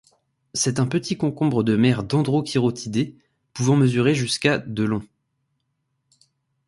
C'est un petit concombre de mer dendrochirotidé, pouvant mesurer jusqu'à de long.